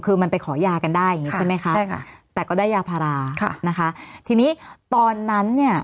คือมันไปขอยากันได้ใช่ไหมคะ